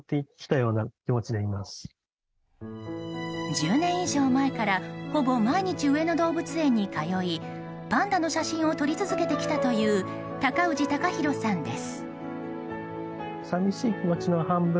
１０年以上前からほぼ毎日上野動物園に通いパンダの写真を撮り続けてきたという高氏貴博さんです。